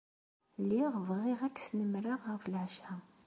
Lliɣ bɣiɣ ad k-snemmreɣ ɣef leɛca.